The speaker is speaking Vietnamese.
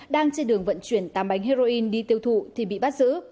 đang trên đường vận chuyển tám bánh heroin đi tiêu thụ thì bị bắt giữ